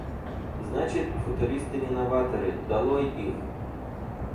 Значит, футуристы не новаторы. Долой их!